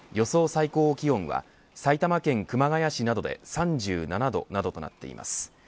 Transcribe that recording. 最高気温は埼玉県熊谷市などで３７度などとなっています。